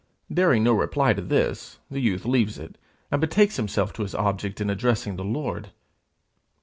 Daring no reply to this, the youth leaves it, and betakes himself to his object in addressing the Lord.